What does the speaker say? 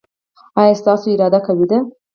ایا ستاسو اراده قوي ده؟